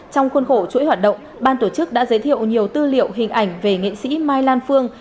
trong khuôn khổ chuỗi hoạt động ban tổ chức đã giới thiệu nhiều tư liệu hình ảnh về nghệ sĩ mai lan phương